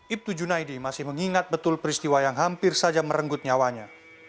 ibtu junaidi masih mengingat betul peristiwa yang hampir saja merenggut nyawanya